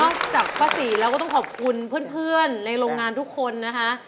จากข้อสี่แล้วก็ต้องขอบคุณเพื่อนในโรงงานทุกคนนะคะ